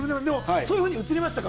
そういうふうに映りましたか？